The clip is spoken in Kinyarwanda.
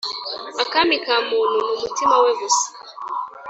akami kamuntu n’umutima we gusa